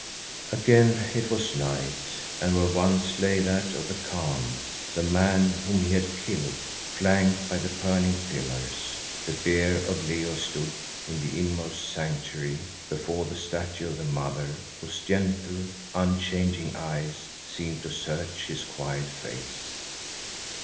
Again it was night, and where once lay that of the Khan, the man whom he had killed, flanked by the burning pillars, the bier of Leo stood in the inmost Sanctuary before the statue of the Mother whose gentle, unchanging eyes seemed to search his quiet face.